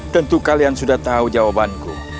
tentu kalian sudah tahu jawabanku